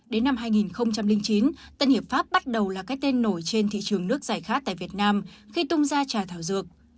đến năm hai nghìn chín tân hiệp pháp bắt đầu là cái tên nổi trên thị trường nước giải khát tại việt nam khi tung ra trà thảo dược